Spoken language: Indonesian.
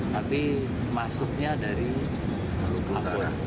tapi masuknya dari akpol